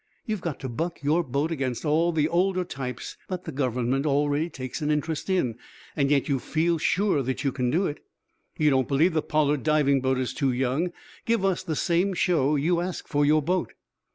"You've got to buck your boat against all the older types that the Government already takes an interest in. Yet you feel sure that you can do it. You don't believe the Pollard diving boat is too young. Give us the same show you ask for your boat."